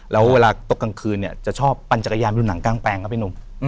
แล้วเวลาตกกลางคืนเนี่ยจะชอบปั่นจักรยานไปดูหนังกลางแปลงครับพี่หนุ่ม